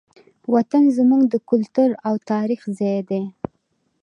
وطن زموږ د کلتور او تاریخ ځای دی.